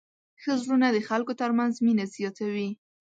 ښه زړونه د خلکو تر منځ مینه زیاتوي.